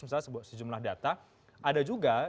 misalnya sejumlah data ada juga